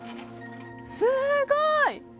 すごい！